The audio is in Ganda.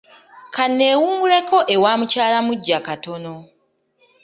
Ka neewunguleko ewa mukyala muggya katono.